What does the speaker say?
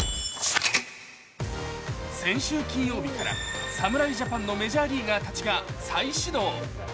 先週金曜日から侍ジャパンのメジャーリーガーたちが再始動。